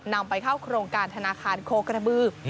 นำไปเข้าโครงการธนาคารโคกระบือ